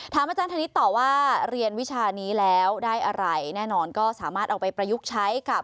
ถามอาจารย์ธนิตต่อว่าเรียนวิชานี้แล้วได้อะไร